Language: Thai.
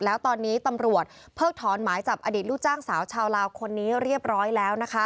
แล้วตอนนี้ตำรวจเพิกถอนหมายจับอดีตลูกจ้างสาวชาวลาวคนนี้เรียบร้อยแล้วนะคะ